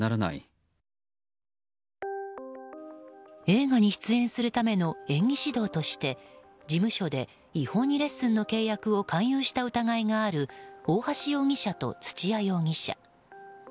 映画に出演するための演技指導として事務所で違法にレッスンの契約を勧誘した疑いがある大橋容疑者と土屋容疑者。